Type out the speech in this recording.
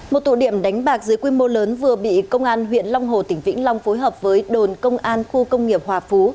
một tụ điểm đánh bạc dưới quy mô lớn vừa bị công an huyện long hồ tỉnh vĩnh long phối hợp với đồn công an khu công nghiệp hòa phú